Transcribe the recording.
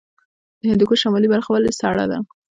د هندوکش شمالي برخه ولې سړه ده؟